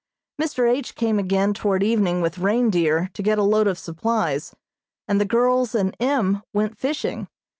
Mr. H. came again toward evening with reindeer to get a load of supplies, and the girls and M. went fishing.